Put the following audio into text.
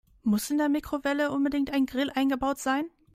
Muss in der Mikrowelle unbedingt ein Grill eingebaut sein?